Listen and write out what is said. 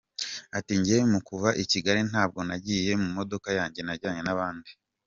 Ati “Njye mu kuva i Kigali ntabwo nagiye mu modoka yanjye najyanye n’abandi.